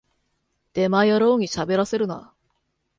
デマ野郎にしゃべらせるな